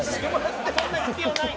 そんな必要ない。